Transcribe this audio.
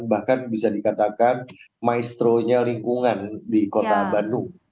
bahkan bisa dikatakan maestro nya lingkungan di kota bandung